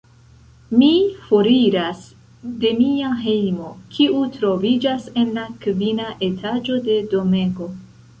Mi foriras de mia hejmo, kiu troviĝas en la kvina etaĝo de domego.